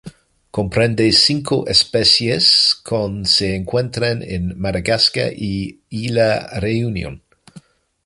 Comprende cinco especies que se encuentran en Madagascar e Isla Reunión.